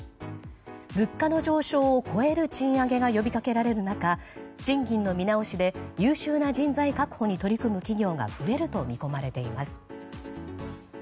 物価の上昇を超える賃上げが呼びかけられる中賃金の見直しで優秀な人材確保に取り組む企業が増えると見込まれています。